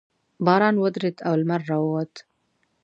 باران ودرېد او لمر راووت.